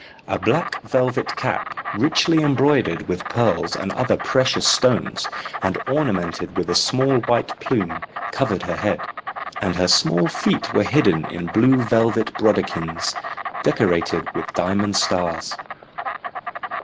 A black velvet cap, richly embroidered with pearls and other precious stones, and ornamented with a small white plume, covered her head; and her small feet were hidden in blue velvet brodequins, decorated with diamond stars.